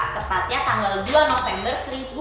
tepatnya tanggal dua november seribu sembilan ratus empat puluh